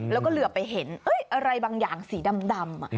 แล้วก็เหลือไปเห็นอะไรบางอย่างสีดำ